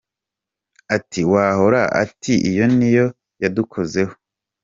Ati wahora, ati iyo niyo yadukozeho.